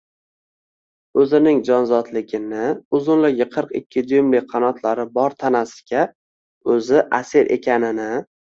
o‘zining jonzotligini, uzunligi qirq ikki dyumli qanotlari bor tanasiga o‘zi asir ekanini